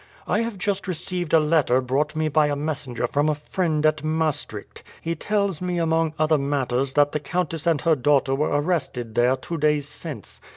"I have just received a letter brought me by a messenger from a friend at Maastricht. He tells me among other matters that the countess and her daughter were arrested there two days since.